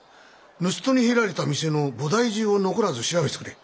盗っ人に入られた店の菩提寺を残らず調べてくれ。